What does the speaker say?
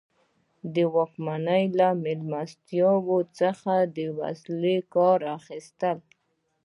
واکمنو له مېلمستیاوو څخه د وسیلې کار اخیست.